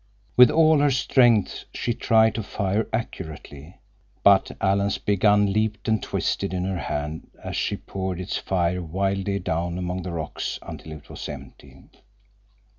With all her strength she tried to fire accurately, but Alan's big gun leaped and twisted in her hand as she poured its fire wildly down among the rocks until it was empty.